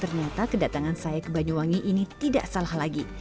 ternyata kedatangan saya ke banyuwangi ini tidak salah lagi